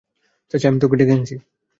চাচি, আমি ডেকে আনছি।